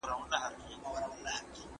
ټکنالوژي نوښت فکر پياوړی کوي.